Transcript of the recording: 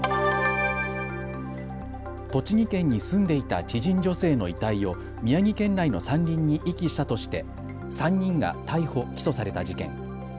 栃木県に住んでいた知人女性の遺体を宮城県内の山林に遺棄したとして３人が逮捕起訴された事件。